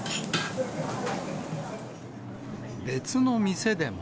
別の店でも。